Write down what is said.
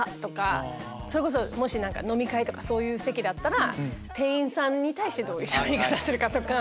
それこそ飲み会とかそういう席だったら店員さんに対してどういう喋り方するかとか。